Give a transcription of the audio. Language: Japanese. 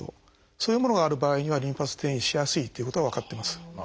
そういうものがある場合にはリンパ節転移しやすいということが分かってます。